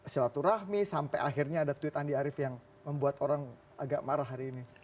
silaturahmi sampai akhirnya ada tweet andi arief yang membuat orang agak marah hari ini